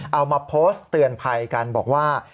เอามาโพสต์เตือนภัยกันบอกว่า